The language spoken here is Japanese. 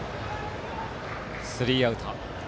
スリーアウト。